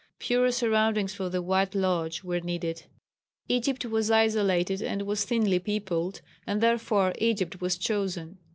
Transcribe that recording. Purer surroundings for the White Lodge were needed. Egypt was isolated and was thinly peopled, and therefore Egypt was chosen.